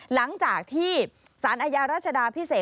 หลังจากที่สารอาญารัชดาพิเศษ